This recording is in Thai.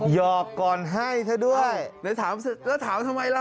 ยอกก่อนให้เถอะด้วย